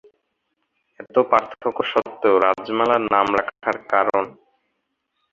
এত পার্থক্য সত্ত্বেও রাজমালা নাম রাখার কারণ?